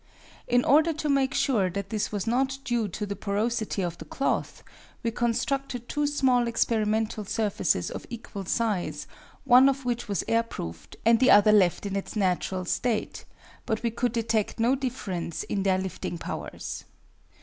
In order to make sure that this was not due to the porosity of the cloth, we constructed two small experimental surfaces of equal size, one of which was air proofed and the other left in its natural state; but we could detect no difference in their lifting powers.